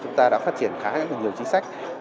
chúng ta đã phát triển khá là nhiều chính sách